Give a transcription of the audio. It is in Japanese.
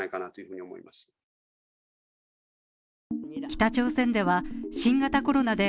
北朝鮮では新型コロナで